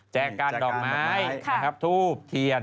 แจกกาลดอกไม้ทูปเทียน